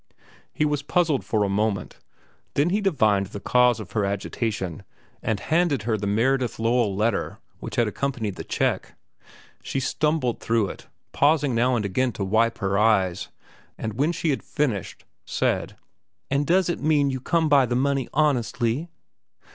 He was puzzled for a moment. Then he divined the cause of her agitation and handed her the Meredith Lowell letter which had accompanied the check. She stumbled through it, pausing now and again to wipe her eyes, and when she had finished, said: "An' does it mean that you come by the money honestly?"